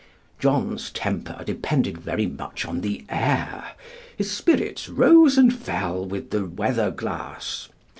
John's temper depended very much upon the air; his spirits rose and fell with the weather glass.